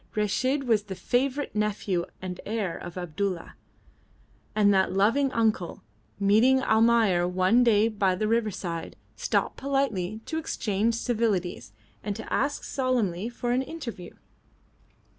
Reshid was the favourite nephew and heir of Abdulla, and that loving uncle, meeting Almayer one day by the riverside, stopped politely to exchange civilities and to ask solemnly for an interview.